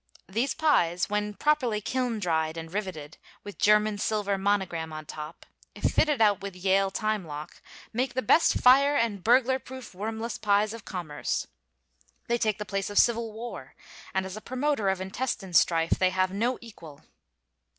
These pies, when properly kiln dried and rivetted, with German silver monogram on top, if fitted out with Yale time lock, make the best fire and burglar proof wormless pies of commerce. They take the place of civil war, and as a promoter of intestine strife they have no equal.